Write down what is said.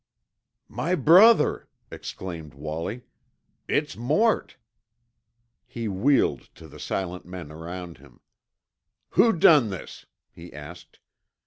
"My brother!" exclaimed Wallie. "It's Mort." He wheeled to the silent men around him. "Who done this?" he asked.